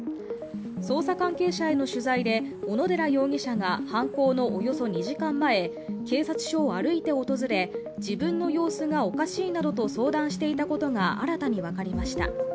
捜査関係者への取材で小野寺容疑者が犯行のおよそ２時間前、警察署を歩いて訪れ自分の様子がおかしいなどと相談していたことが新たに分かりました。